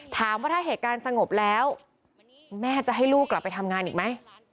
ถามว่าถ้าเหตุการณ์สงบแล้วแม่จะให้ลูกกลับไปทำงานอีกไหม